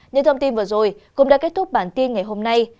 những thông tin vừa rồi cũng đã kết thúc bản tin ngày hôm nay